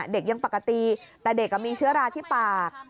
เด็กยังปกติแต่เด็กมีเชื้อราที่ปาก